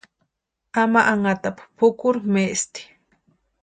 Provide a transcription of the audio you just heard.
Ama anhatapu pʼukuri maesti.